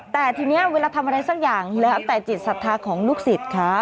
แต่ทีนี้เวลาทำอะไรสักอย่างแล้วแต่จิตศรัทธาของลูกศิษย์คะ